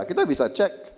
kita bisa cek